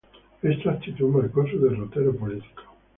Esta actitud marcó su derrotero político.